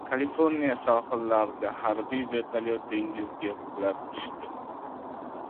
Kaliforniya sohillarida harbiy vertolyot dengizga qulab tushdi